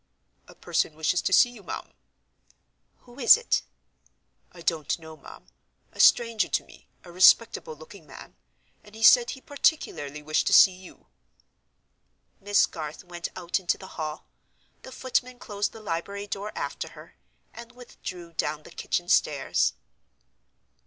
"A person wishes to see you, ma'am." "Who is it?" "I don't know, ma'am. A stranger to me—a respectable looking man—and he said he particularly wished to see you." Miss Garth went out into the hall. The footman closed the library door after her, and withdrew down the kitchen stairs.